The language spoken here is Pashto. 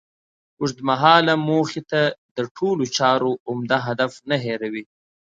اوږد مهاله موخې د ټولو چارو عمده هدف نه هېروي.